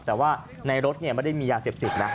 แต่ว่าในรถไม่ได้มียาเสพติดนะ